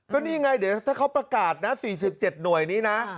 ก็นี่ไงเดี๋ยวถ้าเขาประกาศนะ๔๗หน่วยนี้นะ